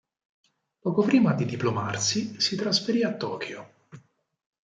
Poco prima di diplomarsi, si trasferì a Tokyo.